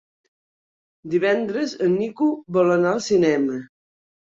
Divendres en Nico vol anar al cinema.